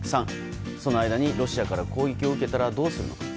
３、その間にロシアから攻撃を受けたらどうするのか。